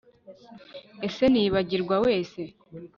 ese nibagirwa wese